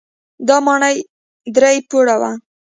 دا ماڼۍ درې پوړه وه.